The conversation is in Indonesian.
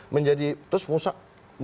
menjadi terus musak